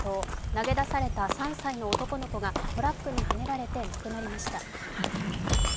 投げ出された３歳の男の子がトラックにはねられた亡くなりました。